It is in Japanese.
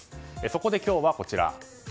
そこで、今日はこちら。